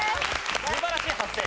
素晴らしい発声。